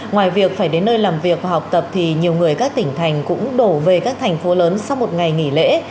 ngoài việc phải đến nơi làm việc và học tập thì nhiều người các tỉnh thành cũng đổ về các thành phố lớn sau một ngày nghỉ lễ